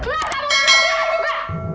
keluar kamu juga